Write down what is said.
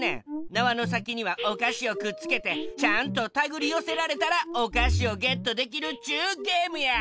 なわのさきにはおかしをくっつけてちゃんとたぐりよせられたらおかしをゲットできるっちゅうゲームや。